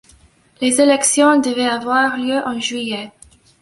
Les élections devaient avoir lieu en juillet.